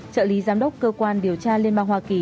trợ lý giám đốc cơ quan điều tra liên bang hoa kỳ